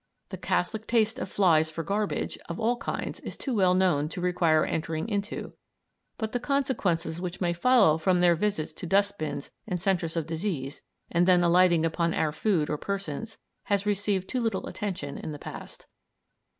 The catholic taste of flies for garbage of all kinds is too well known to require entering into, but the consequences which may follow from their visits to dustbins and centres of disease, and then alighting upon our food or persons, has received too little attention in the past.